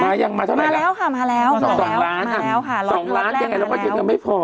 มาแล้วค่ะมาแล้วมาแล้วค่ะสองล้านสองล้านยังไงแล้วเราก็ยังไม่พอ